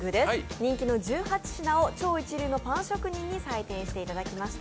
人気の１８品を超一流のパン職人に採点していただきました。